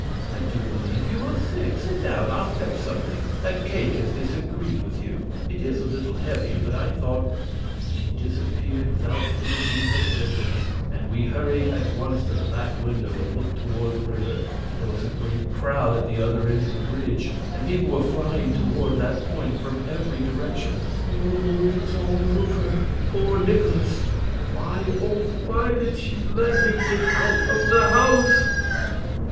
I do believe you are sick. Sit down; I'll fetch something. That cake has disagreed with you. It is a little heavy, but I thought " She disappeared without finishing her sentence, and we hurried at once to the back window and looked toward the river. There was a great crowd at the other end of the bridge, and people were flying toward that point from every direction. "Oh, it is all over poor Nikolaus! Why, oh, why did she let him get out of the house!"